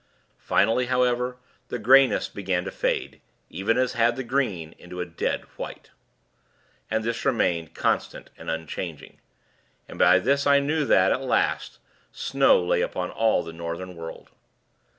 Finally, however, the greyness began to fade, even as had the green, into a dead white. And this remained, constant and unchanged. And by this I knew that, at last, snow lay upon all the Northern world.